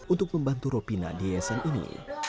untuk membantu ropina di yayasan ini